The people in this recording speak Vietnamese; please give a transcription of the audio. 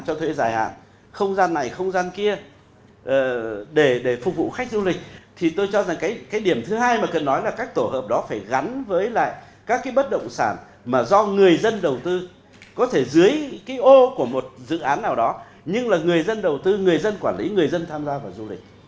có thể dưới cái ô của một dự án nào đó nhưng là người dân đầu tư người dân quản lý người dân tham gia vào du lịch